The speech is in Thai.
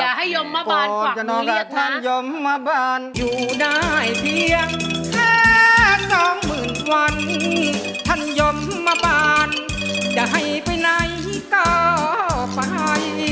อย่าให้ยมมาบานฝากเมียดนะ